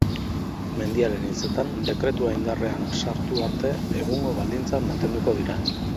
Mendiaren hitzetan, dekretua indarrean sartu arte egungo baldintzak mantenduko dira.